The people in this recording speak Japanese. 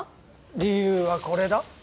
理由はこれだ。